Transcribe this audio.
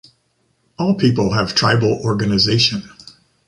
All people have tribal organization.